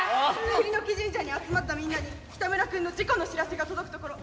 栗の木神社に集まったみんなにキタムラ君の事故の知らせが届くところ。